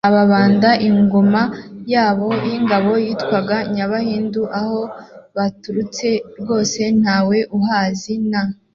ababanda, ingoma yabo y’ingabe yitwaga nyabahinda. aho baturutse rwose ntawe uhazi; na